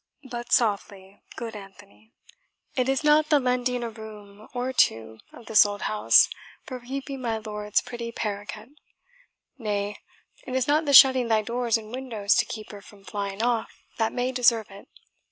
But softly, good Anthony it is not the lending a room or two of this old house for keeping my lord's pretty paroquet nay, it is not the shutting thy doors and windows to keep her from flying off that may deserve it.